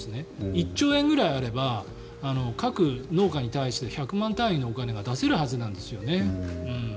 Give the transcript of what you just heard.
１兆円ぐらいあれば各農家に対して１００万単位のお金が出せるはずなんですよね。